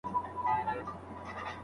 حقوقپوهان ولي په ټولنه کي عدالت غواړي؟